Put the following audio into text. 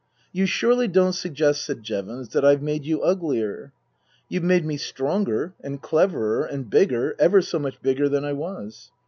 " You surely don't suggest," said Jevons, " that I've made you uglier ?"' You've made me stronger and cleverer and bigger ever so much bigger than I was."